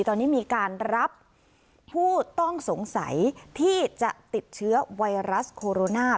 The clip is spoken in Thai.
ตอนนี้มีการรับผู้ต้องสงสัยที่จะติดเชื้อไวรัสโคโรนา